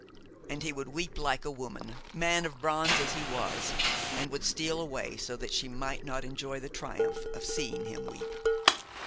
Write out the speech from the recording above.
And he would weep like a woman, man of bronze as he was, and would steal away so that she might not enjoy the triumph of seeing him weep.